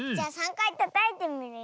かいたたいてみるよ。